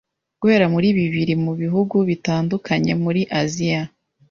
guhera muri bibiri mu bihugu bitandukanye muri Aziya